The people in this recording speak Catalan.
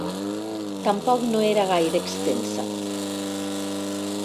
Tampoc no era gaire extensa.